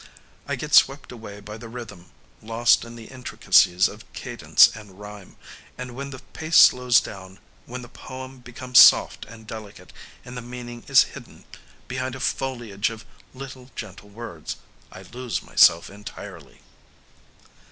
I get swept away by the rhythm, lost in the intricacies of cadence and rhyme, and, when the pace slows down, when the poem becomes soft and delicate and the meaning is hidden behind a foliage of little gentle words, I lose myself entirely."